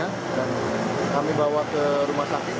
dan kami bawa ke rumah sakit